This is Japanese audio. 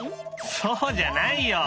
そうじゃないよ。